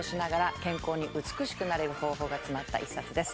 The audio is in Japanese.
健康に美しくなれる方法が詰まった一冊です